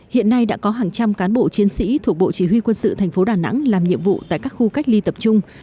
hiện nay đã có hàng trăm cán bộ chiến sĩ thuộc bộ chỉ huy quân sự tp đà nẵng làm nhiệm vụ tại các khu cách ly tập trung